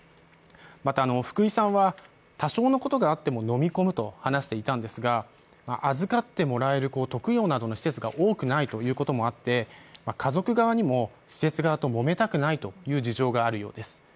また、福井さんは多少のことがあっても飲み込むと話していたんですが、預かってもらえる特養などの施設が多くないこともあって家族側にも施設側と揉めたくないという事情があるようです。